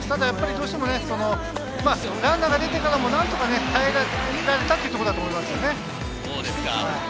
どうしてもランナーが出てからも何とか耐えられたというところだと思いますね。